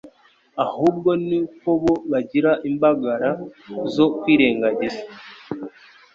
ahubwo ni uko bo bagira imbagara zo kwirengagiza